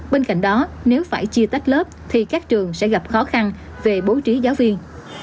bên cạnh đó nếu phải chia tách lớp thì các trường sẽ gặp khó khăn về bố trí giáo viên